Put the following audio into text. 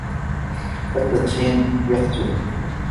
التدخين يقتل.